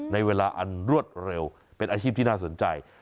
ในเวลาอันรวดเร็วเป็นอาชีพที่น่าสนใจ